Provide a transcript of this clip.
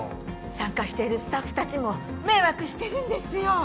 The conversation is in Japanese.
参加しているスタッフ達も迷惑してるんですよ